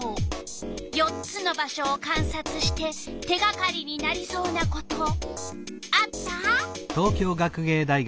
４つの場所をかんさつして手がかりになりそうなことあった？